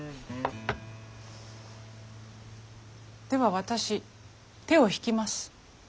では私手を引きます。